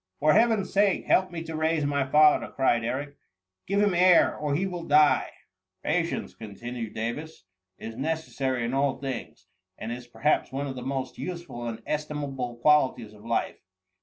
''" For Heaven's sake help me to raise my father,'' cried Edric :" Give Hitp air, or he will die r Patience," continued Davis, " is necessary in all things, and is perhaps one of the most useful and estimable qualities of life.